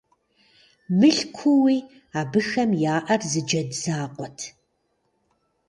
Мылъкууи абыхэм яӀэр зы джэд закъуэт.